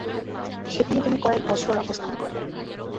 সেখানে তুমি কয়েক বছর অবস্থান করলে।